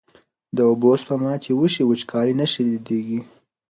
د اوبو سپما چې وشي، وچکالي نه شدېږي.